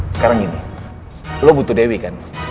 sekarang gini lo butuh dewi kan